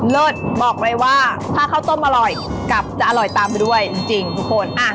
เลิศบอกเลยว่าถ้าข้าวต้มอร่อยกลับจะอร่อยตามไปด้วยจริงทุกคน